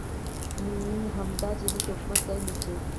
نن همدا جهل د حکمت ځای نیسي.